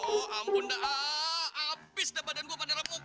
oh ampun dah abis dah badan gue pada remuk